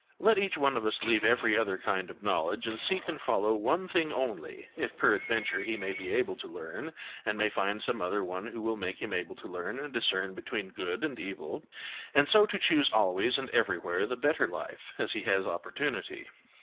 Let each one of us leave every other kind of knowledge and seek and follow one thing only, if peradventure he may be able to learn and may find some one who will make him able to learn and discern between good and evil, and so to choose always and everywhere the better life as he has opportunity.